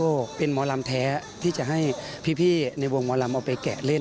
ก็เป็นหมอลำแท้ที่จะให้พี่ในวงหมอลำเอาไปแกะเล่น